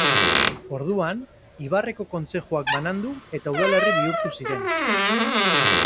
Orduan, ibarreko kontzejuak banandu eta udalerri bihurtu ziren.